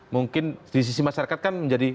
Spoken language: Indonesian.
mungkin di sisi masyarakat kan menjadi